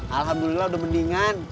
alhamdulillah udah mendingan